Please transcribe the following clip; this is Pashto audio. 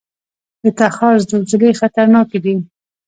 د تخار زلزلې خطرناکې دي